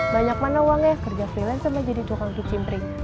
banyak mana uangnya kerja freelance sama jadi tukang cuci